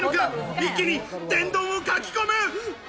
一気に天丼をかきこむ！